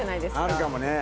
あるかもね。